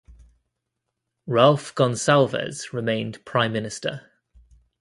Ralph Gonsalves remained Prime Minister.